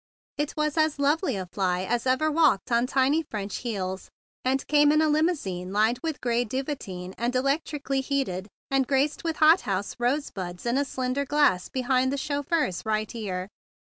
It was as lovely a fly as ever walked on tiny French heels, and came in a limousine lined with gray duvetyn and electrically heated and graced with hothouse rosebuds in a slender glass be¬ hind the chauffeur's right ear.